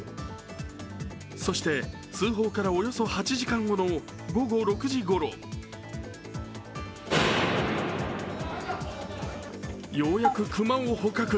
そして通報からおよそ８時間後の午後６時ごろようやく熊を捕獲。